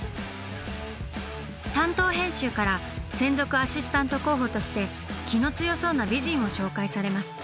担当編集から専属アシスタント候補として気の強そうな美人を紹介されます。